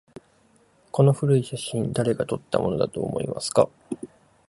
この古い写真、誰が撮ったものだと思いますか？